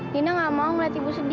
nen nggak mau ngeliat ibu sedih ya bu ya